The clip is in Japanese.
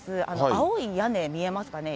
青い屋根、見えますかね？